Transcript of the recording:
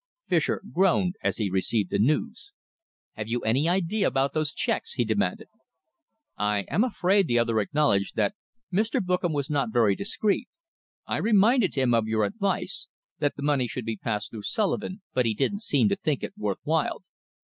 Fischer groaned as he received the news. "Have you any idea about those cheques?" he demanded. "I am afraid," the other acknowledged, "that Mr. Bookam was not very discreet. I reminded him of your advice that the money should be passed through Sullivan but he didn't seem to think it worth while."